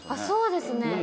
そうですね。